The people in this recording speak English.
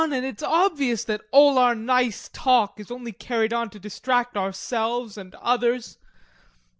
And it's obvious that all our nice talk is only carried on to distract ourselves and others.